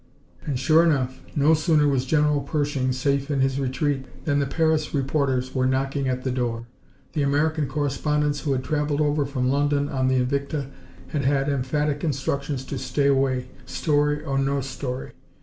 And sure enough, no sooner was General Pershing safe in his retreat than the Paris reporters were knocking at the door. The American correspondents who had travelled over from London on the Invicta had had emphatic instructions to stay away, story or no story.